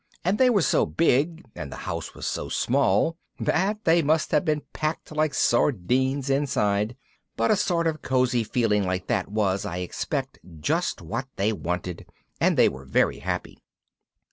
And they were so big, and the house was so small, that they must have been packed like sardines inside. But a sort of cosy feeling like that was, I expect, just what they wanted, and they were very happy.